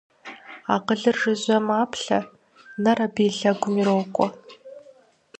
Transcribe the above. Акъылыр жыжьэу маплъэ, нэр абы и лъагъуэм ирокӏуэ.